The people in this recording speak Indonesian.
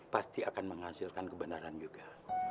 pasti akan menghasilkan kebenaran juga